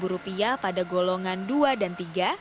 rp lima pada golongan dua dan tiga